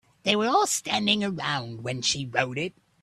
They were all standing around when she wrote it.